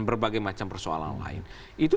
berbagai macam persoalan lain itu